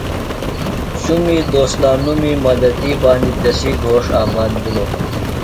شُمی دوستانومیۡ مددی باندیۡ تسیۡ گھوݜٹ آباد بِھلوۡ۔